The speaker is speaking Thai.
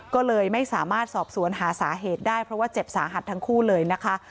ก็เลยไม่สามารถสอบสวนหาสาเหตุได้เพราะว่าเจ็บสาหัสทั้งคู่เลยนะคะ